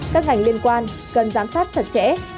các ngành liên quan cần giám sát chặt chẽ